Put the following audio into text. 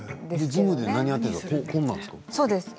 ジムで何やってるんですか？